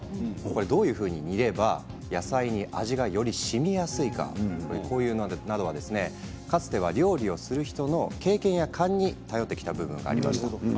どういうふうに煮れば野菜に味がより、しみやすいかなどは、かつては料理をする人の経験や勘に頼ってきた部分がありました。